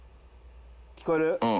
聞こえる？